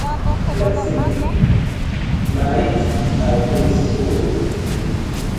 Flexing na it I dey so ooo.